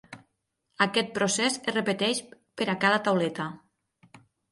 Aquest procés es repeteix per a cada tauleta.